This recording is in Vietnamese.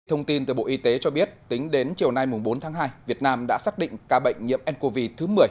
thông tin từ bộ y tế cho biết tính đến chiều nay bốn tháng hai việt nam đã xác định ca bệnh nhiễm ncov thứ một mươi